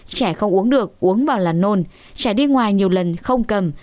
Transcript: trẻ không uống được uống vào làn nôn trẻ đi ngoài nhiều lần không cầm